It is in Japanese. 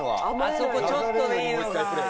あそこちょっとでいいのか。